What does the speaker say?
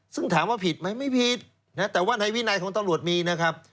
ซึ่งถามว่าผิดไหมไม่ผิดแต่ว่าในวินัยของตำรวจมีนะครับ